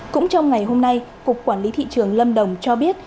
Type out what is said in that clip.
cũng trong ngày hôm nay cục quản lý thị trường lâm đồng cho biết